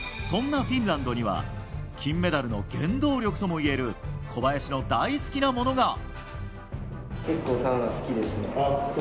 そんなフィンランドには金メダルの原動力ともいえる小林の大好きなものが。